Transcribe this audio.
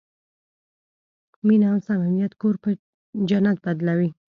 مینه او صمیمیت کور په جنت بدلوي.